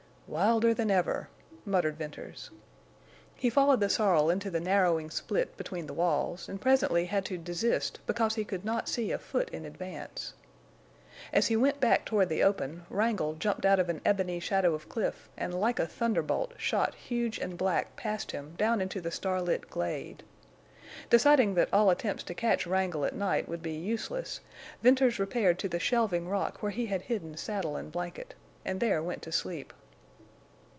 "Wilder than ever!" muttered Venters. He followed the sorrel into the narrowing split between the walls, and presently had to desist because he could not see a foot in advance. As he went back toward the open Wrangle jumped out of an ebony shadow of cliff and like a thunderbolt shot huge and black past him down into the starlit glade. Deciding that all attempts to catch Wrangle at night would be useless, Venters repaired to the shelving rock where he had hidden saddle and blanket, and there went to sleep.